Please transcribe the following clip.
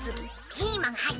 ピーマンはぎ。